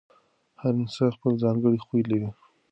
هر انسان خپل ځانګړی خوی لري.